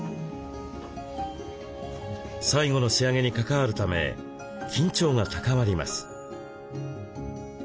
最後の仕上げに関わるため緊張が高まります。